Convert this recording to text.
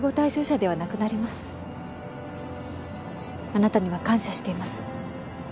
あなたには感謝しています。